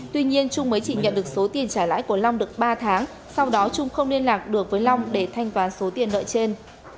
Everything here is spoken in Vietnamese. tuy nhiên trung mới chỉ nhận được số tiền trả lãi của long được ba tháng sau đó trung không liên lạc được với long để thanh toán số tiền nợ trên